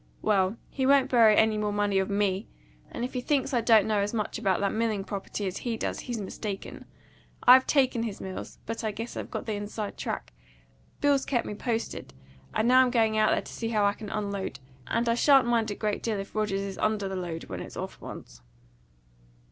Well, he won't borrow any more money of ME; and if he thinks I don't know as much about that milling property as he does he's mistaken. I've taken his mills, but I guess I've got the inside track; Bill's kept me posted; and now I'm going out there to see how I can unload; and I shan't mind a great deal if Rogers is under the load when it's off once."